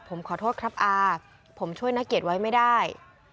ผมขอโทษครับอาผมช่วยนักเกียรติไว้ไม่ได้